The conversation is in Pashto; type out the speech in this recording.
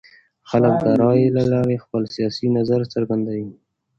خلک د رایې له لارې خپل سیاسي نظر څرګندوي